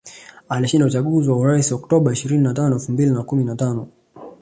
Alishinda uchaguzi wa urais Oktoba ishirini na tano elfu mbili na kumi na tano